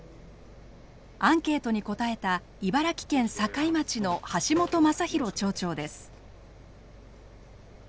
アンケートに答えた茨城県境町の橋本正裕町長です。